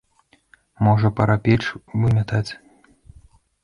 Можа, пара печ вымятаць.